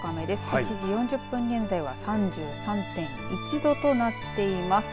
１時４０分現在は３３．１度となっています。